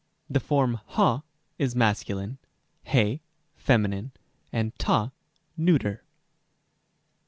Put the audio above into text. The form ὁ is masculine, ἡ feminine, and τό neuter.